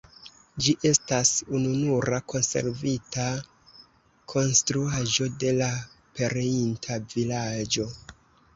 Ĝi estas ununura konservita konstruaĵo de la pereinta vilaĝo.